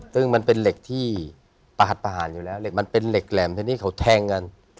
ซึ่งมันเป็นเหล็กที่ประหัสประหารอยู่แล้วเหล็กมันเป็นเหล็กแหลมทีนี้เขาแทงกัน